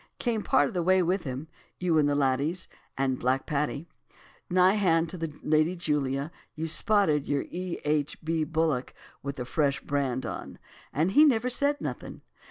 Came part of the way with him, you and the ladies, and Black Paddy. Nigh hand to the "Lady Julia" you spotted your "E. H. B." bullock with a fresh brand on. And he never said nothen'.